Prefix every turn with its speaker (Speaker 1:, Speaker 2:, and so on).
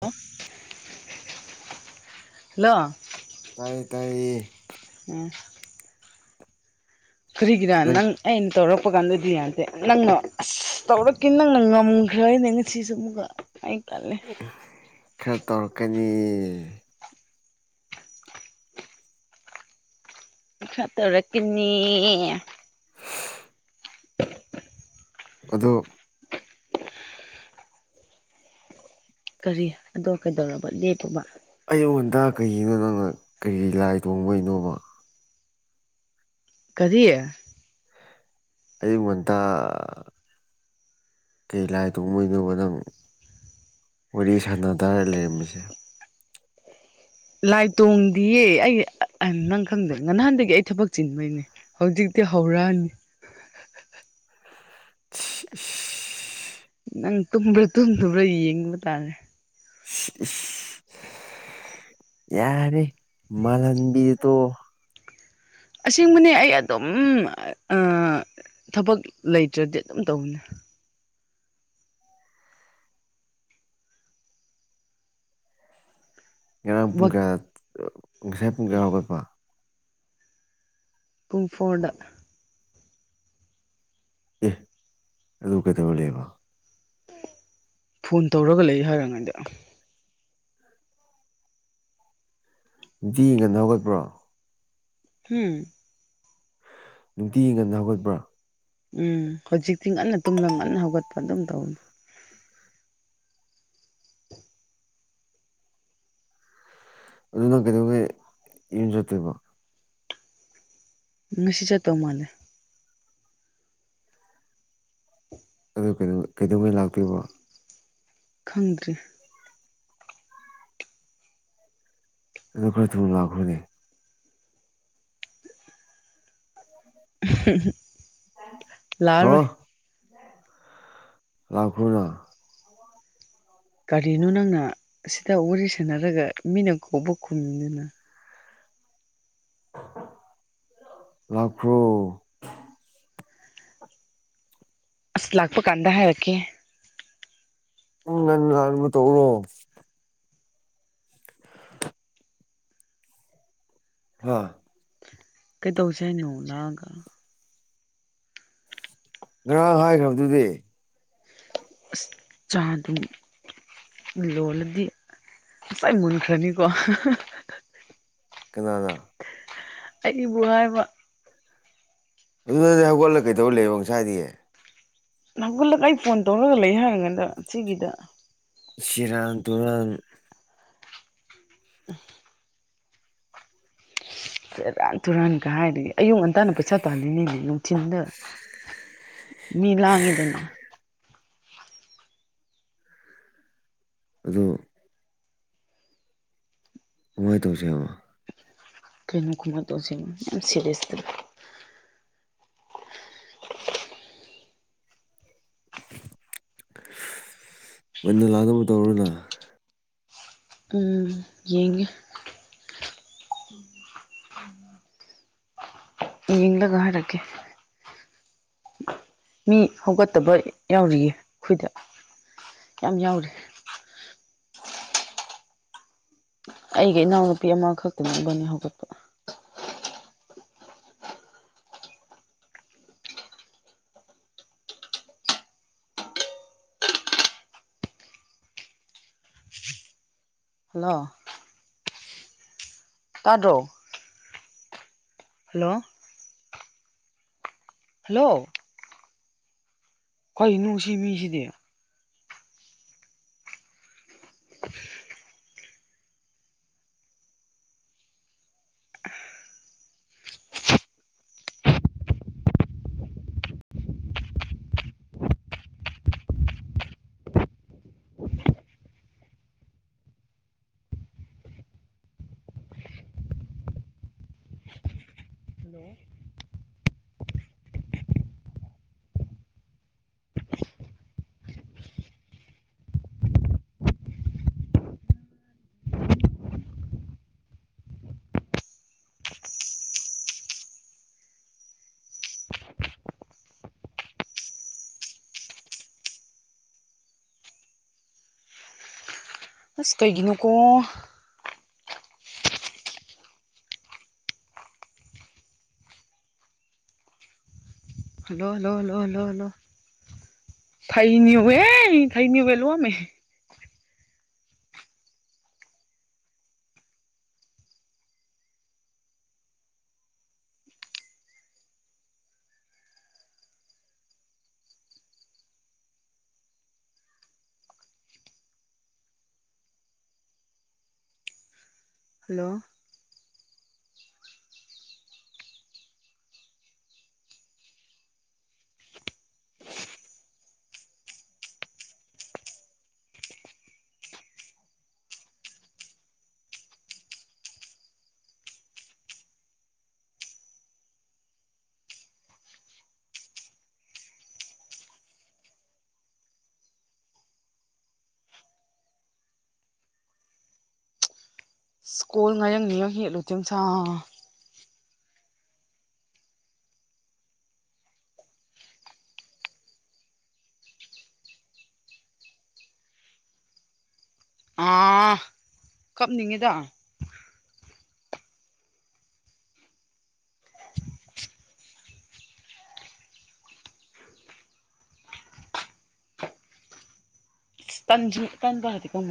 Speaker 1: hello hello
Speaker 2: ꯇꯥꯏꯌꯦ ꯇꯥꯏꯌꯦ
Speaker 1: ꯎꯝ ꯀꯔꯤꯒꯤꯔ ꯅꯪ ꯑꯩꯅ ꯇꯧꯔꯛꯄ ꯀꯥꯟꯗ ꯗꯤꯌꯥꯟꯁꯦ ꯅꯪꯅ ꯑꯁ ꯇꯧꯔꯛꯈꯤ ꯅꯪꯅ ꯉꯝꯈ꯭ꯔꯅꯦ ꯉꯁꯤꯁꯨ ꯑꯃꯨꯛꯀ ꯑꯩ ꯇꯟꯂꯦ
Speaker 2: ꯈꯔ ꯇꯧꯔꯛꯀꯅꯤ
Speaker 1: ꯈꯔ ꯇꯧꯔꯛꯀꯅꯤ
Speaker 2: ꯑꯗꯨ
Speaker 1: ꯀꯔꯤ ꯑꯗꯣ ꯀꯩꯗꯧꯔꯕ ꯂꯦꯞꯄꯕ
Speaker 2: ꯑꯩꯌꯨꯛ ꯉꯟꯇꯥ ꯀꯩꯒꯤꯅꯣ ꯅꯪꯅ ꯀꯔꯤ ꯂꯥꯏ ꯇꯣꯡꯕꯒꯤꯅꯣꯕ
Speaker 1: ꯀꯔꯤ
Speaker 2: ꯑꯌꯨꯛ ꯉꯟꯇꯥ ꯀꯩ ꯂꯥꯏ ꯇꯣꯡꯕꯩꯅꯣꯕ ꯅꯪ ꯋꯥꯔꯤ ꯁꯥꯟꯅꯗꯥꯔꯒ ꯂꯩꯔꯝꯕꯁꯦ
Speaker 1: ꯂꯥꯏ ꯇꯣꯡꯗꯤꯌꯦ ꯑꯩ ꯅꯪ ꯈꯪꯗ ꯅ ꯅꯍꯥꯟꯗꯒꯤ ꯑꯩ ꯊꯕꯛ ꯆꯤꯟꯕꯩꯅꯦ ꯍꯧꯖꯤꯛꯇꯤ ꯍꯧꯔꯑꯅꯤ
Speaker 2: [unintelligible]
Speaker 1: ꯅꯪ ꯇꯨꯝꯕ꯭ꯔꯥ ꯇꯨꯝꯗꯕ꯭ꯔꯥ ꯌꯦꯡꯕ ꯇꯥꯔꯦ
Speaker 2: [unintelligible] ꯌꯥꯔꯦ ꯃꯥꯟꯍꯟꯕꯤꯗꯣ ꯇꯣꯛꯑꯣ
Speaker 1: ꯑꯁꯦꯡꯕꯅꯦ ꯑꯩ ꯑꯗꯨꯝ ꯑ ꯊꯕꯛ ꯂꯩꯇ꯭ꯔꯗꯤ ꯑꯗꯨꯝ ꯇꯧꯅꯤ
Speaker 2: ꯉꯔꯥꯡ ꯄꯨꯡ ꯀꯌꯥ ꯉꯁꯥꯏ ꯄꯨꯡ ꯀꯌꯥ ꯍꯧꯒꯠꯄꯣ
Speaker 1: ꯄꯨꯡ ꯐꯣꯔꯗ
Speaker 2: ꯑꯦꯍ ꯑꯗꯨ ꯀꯩꯗꯧꯔ ꯂꯩꯕ
Speaker 1: ꯐꯣꯟ ꯇꯧꯔꯒ ꯂꯩ ꯍꯥꯏꯔꯉꯥꯏꯗ
Speaker 2: ꯅꯨꯡꯇꯤꯒꯤ ꯉꯟꯅ ꯍꯧꯒꯠꯄ꯭ꯔꯣ
Speaker 1: ꯎꯝ
Speaker 2: ꯅꯨꯡꯇꯤꯒꯤ ꯉꯟꯅ ꯍꯧꯒꯠꯄ꯭ꯔꯥ
Speaker 1: ꯎꯝ ꯍꯧꯖꯤꯛꯇꯤ ꯉꯟꯅ ꯇꯨꯝꯂꯒ ꯉꯟꯅ ꯍꯧꯒꯠꯄ ꯑꯗꯨꯝ ꯇꯧꯋꯤ
Speaker 2: ꯑꯗꯨ ꯅ꯬ ꯀꯩꯗꯧꯉꯩ ꯌꯨꯝ ꯆꯠꯇꯣꯏꯕ
Speaker 1: ꯉꯁꯤ ꯆꯠꯇꯧ ꯃꯥꯂꯦ
Speaker 2: ꯑꯗꯨ ꯀꯩꯗꯧꯀꯩꯗꯧꯉꯩ ꯂꯥꯛꯇꯣꯏꯔꯤꯕ
Speaker 1: ꯈꯪꯗ꯭ꯔꯤ
Speaker 2: ꯑꯗꯨ ꯈꯔ ꯊꯨꯅ ꯂꯥꯛꯈ꯭ꯔꯣꯅꯦ
Speaker 1: [unintelligible]
Speaker 2: ꯍꯣ
Speaker 1: ꯂꯥꯛꯑꯔꯣꯏ
Speaker 2: ꯂꯥꯛꯈ꯭ꯔꯣꯅ
Speaker 1: ꯀꯒꯥꯔꯤꯅꯣ ꯅꯪꯅꯥ ꯁꯤꯗ ꯋꯥꯔꯤ ꯁꯅꯅꯥꯔꯒ ꯃꯤꯅ ꯀꯧꯕ ꯈꯨꯝꯃꯤꯗꯨꯅ
Speaker 2: ꯂꯛꯈ꯭ꯔꯣ
Speaker 1: ꯑꯁ ꯂꯥꯛꯄ ꯀꯥꯟꯗ ꯍꯥꯏꯔꯛꯀꯦ
Speaker 2: ꯎꯝ ꯉꯥꯟ ꯂꯥꯛꯅꯕ ꯇꯧꯔꯣ ꯍꯥꯥ
Speaker 1: ꯀꯩ ꯇꯧꯁꯦ ꯍꯥꯏꯅꯣ ꯂꯥꯛꯑꯥꯒ
Speaker 2: ꯉꯔꯥꯡ ꯍꯥꯏꯈ꯭ꯔꯕꯗꯨꯗꯤ
Speaker 1: ꯆꯥꯗꯤ ꯂꯣꯜꯂꯗꯤ ꯉꯁꯥꯏ ꯃꯨꯟꯈ꯭ꯔꯅꯤꯀꯣ
Speaker 2: ꯀꯅꯥꯅꯥ
Speaker 1: ꯑꯩꯕꯨ ꯍꯥꯏꯕ
Speaker 2: ꯑꯗꯨꯗꯤ ꯅꯪ ꯍꯧꯒꯠꯂꯒ ꯀꯩꯗꯧꯔ ꯂꯩꯕꯣ ꯉꯁꯥꯏꯗꯤ
Speaker 1: ꯍꯧꯒꯠꯂꯥꯒ ꯑꯩ ꯐꯣꯟ ꯇꯧꯔꯒ ꯂꯩ ꯍꯥꯏꯔꯀꯥꯟꯗ ꯁꯤꯒꯤꯗ
Speaker 2: ꯁꯤꯔꯥꯟ ꯇꯨꯔꯟ
Speaker 1: [inaudible] ꯁꯦꯔꯥꯟ ꯇꯨꯔꯥꯟꯒ ꯍꯥꯏꯔꯤꯌꯦ ꯑꯌꯨꯛ ꯉꯟꯇꯥꯅ ꯄꯩꯁꯥ ꯇꯥꯜꯂꯤꯅꯤꯅꯦ ꯅꯨꯡꯊꯤꯟꯗ ꯃꯤ ꯂꯥꯡꯉꯤꯗꯅ
Speaker 2: ꯑꯗꯣ ꯀꯃꯥꯏꯟ ꯇꯧꯁꯦꯕ
Speaker 1: ꯀꯔꯤꯅꯣ ꯀꯨꯃꯥꯏ ꯇꯧꯁꯤꯕꯣ ꯌꯥꯝ ꯁꯦꯔꯤꯁꯇꯥꯒ
Speaker 2: ꯉꯥꯟꯅ ꯂꯥꯛꯅꯕ ꯇꯧꯔꯣꯅ
Speaker 1: ꯎꯝ ꯌꯦꯡꯒꯦ ꯌꯦꯡꯂꯒ ꯍꯥꯏꯔꯛꯀꯦ ꯃꯤ ꯍꯧꯒꯠꯇꯕ ꯌꯥꯎꯔꯤꯌꯦ ꯑꯩꯈꯣꯏꯗ ꯌꯥꯝ ꯌꯥꯎꯔꯤ ꯑꯩꯒꯤ ꯏꯅꯥꯎꯅꯨꯄꯤ ꯑꯃꯈꯛꯇ ꯏꯕꯅꯤ ꯍꯧꯒꯠꯄ ꯍꯜꯂꯣ ꯇꯥꯗꯔꯣ ꯍꯜꯂꯣ ꯍꯜꯂꯣ ꯀꯩ ꯅꯨꯡꯁꯤ ꯃꯤꯁꯤꯗꯤ ꯑꯁ ꯀꯩꯒꯤꯅꯨꯀꯣ ꯍꯜꯂꯣ ꯂꯣ ꯂꯣ ꯂꯣ ꯂꯣ [unintelligible] ꯍꯜꯂꯣ [unintelligible] ꯑꯥ ꯀꯞꯅꯤꯡꯉꯤꯗ ꯇꯟꯁꯤ [unintelligible]